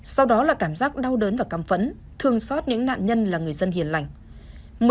sau đó là cảm giác đau đớn và cắm phẫn thường xót những nạn nhân là người dân hiền lành